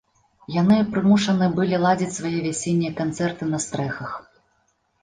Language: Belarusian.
Яны прымушаны былі ладзіць свае вясеннія канцэрты на стрэхах.